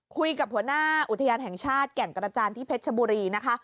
หัวหน้าอุทยานแห่งชาติแก่งกระจานที่เพชรชบุรีนะคะ